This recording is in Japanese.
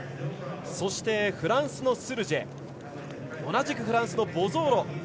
そして、フランスのスルジェ同じくフランスのボゾーロ。